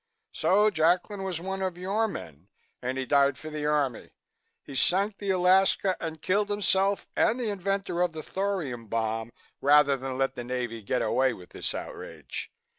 So Jacklin was one of your men and he died for the Army. He sank the Alaska and killed himself and the inventor of the thorium bomb, rather than let the Navy get away with this outrage.